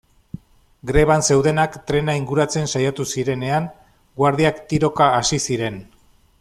Greban zeudenak trena inguratzen saiatu zirenean, guardiak tiroka hasi ziren.